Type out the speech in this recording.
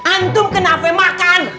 antum kenapa makan